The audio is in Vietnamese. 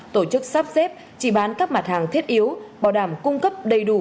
tổ chức sắp xếp chỉ bán các mặt hàng thiết yếu bảo đảm cung cấp đầy đủ